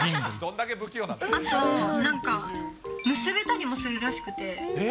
あと、なんか結べたりもするらしくて。